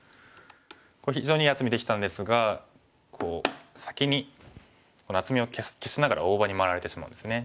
これ非常にいい厚みできたんですが先にこの厚みを消しながら大場に回られてしまうんですね。